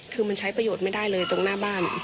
คือมันใช้ประโยชน์ไม่ได้เลยตรงหน้าบ้าน